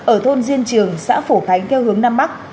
ở thôn diên trường xã phổ khánh theo hướng nam bắc